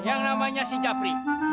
yang namanya si jafri